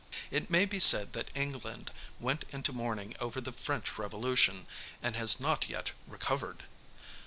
It may be said that England went into mourning over the French Revolution, and has not yet recovered.